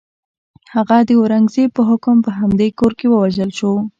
هغه د اورنګزېب په حکم په همدې کور کې ووژل شو.